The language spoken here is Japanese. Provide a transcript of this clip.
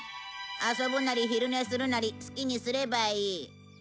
遊ぶなり昼寝するなり好きにすればいい。